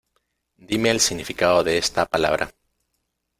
Dime el significado de esta palabra.